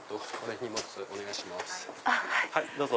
どうぞ。